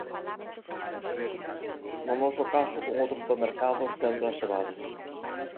No noso caso con outros supermercados, tendas e bares.